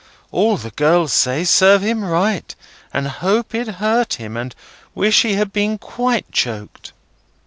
All the girls say: Serve him right, and hope it hurt him, and wish he had been quite choked."